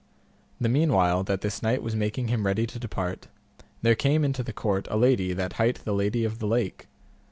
The meanwhile, that this knight was making him ready to depart, there came into the court a lady that hight the Lady of the Lake.